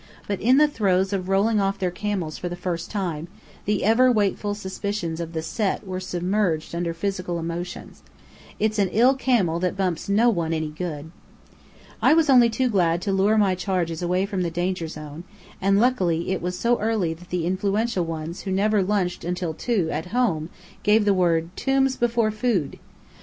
But in the throes of rolling off their camels for the first time, the ever wakeful suspicions of the Set were submerged under physical emotions. It's an ill camel that bumps no one any good! I was only too glad to lure my charges away from danger zone; and luckily it was so early that the influential ones who never lunched until two "at home," gave the word, "Tombs before food."